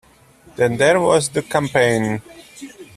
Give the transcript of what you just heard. Then there was the campaign.